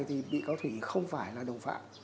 thì bị cáo thủy không phải là đồng phạm